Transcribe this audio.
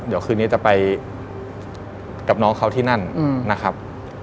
เดี๋ยวคืนนี้จะไปกับน้องเขาที่นั่นนะครับ